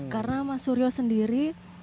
karena mas suryo sendiri